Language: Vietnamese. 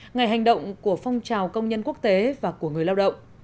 ngày hành động của phong trào công nhân quốc tế và của người lao động